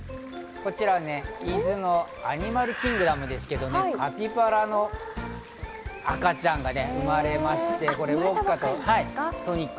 伊豆のアニマルキングダムですけど、カピバラの赤ちゃんがね、生まれましてウォッカとトニック。